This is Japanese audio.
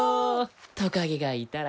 トカゲがいたら。